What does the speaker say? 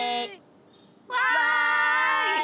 わい！